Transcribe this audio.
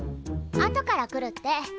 あとから来るって。